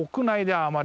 あ。